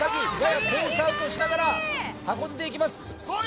アウトしながら運んでいきます